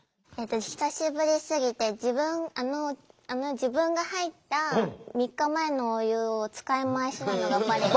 久しぶりすぎて自分が入った３日前のお湯を使い回しなのがバレた。